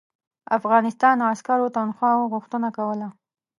افغانستان عسکرو تنخواوو غوښتنه کوله.